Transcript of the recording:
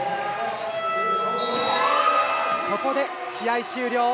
ここで試合終了。